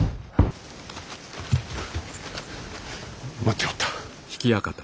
待っておった。